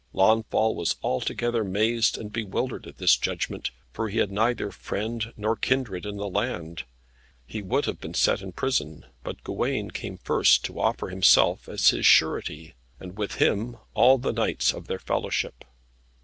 Launfal was altogether mazed and bewildered at this judgment, for he had neither friend nor kindred in the land. He would have been set in prison, but Gawain came first to offer himself as his surety, and with him, all the knights of his fellowship.